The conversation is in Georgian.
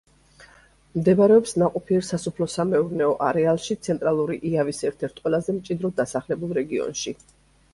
მდებარეობს ნაყოფიერ სასოფლო–სამეურნეო არეალში, ცენტრალური იავის ერთ–ერთ ყველაზე მჭიდროდ დასახლებულ რეგიონში.